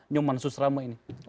nyuman susrama ini